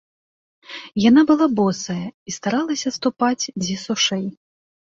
Яна была босая і старалася ступаць дзе сушэй.